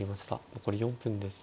残り４分です。